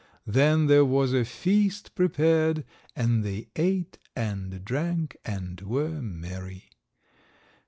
Then there was a feast prepared, and they ate and drank and were merry.